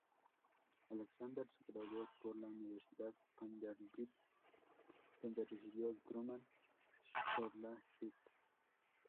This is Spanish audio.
Alexander se graduó por la Universidad Vanderbilt, donde recibió el Truman Scholarship.